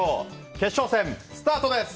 決勝戦、スタートです！